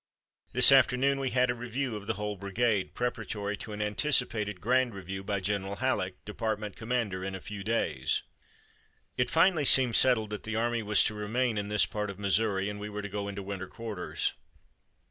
This afternoon we had a review of the whole brigade, preparatory to an anticipated grand review by General Halleck, Department Commander, in a few days." It finally seemed settled that the army was to remain in this part of Missouri, and we were to go into winter quarters.